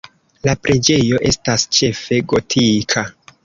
La preĝejo estas ĉefe gotika.